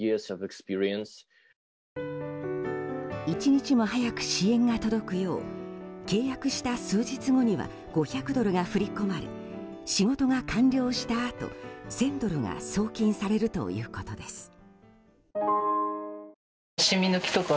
一日も早く支援が届くよう契約した数日後には５００ドルが振り込まれ仕事が完了したあと１０００ドルが送金されるということです。